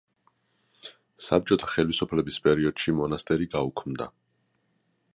საბჭოთა ხელისუფლების პერიოდში მონასტერი გაუქმდა.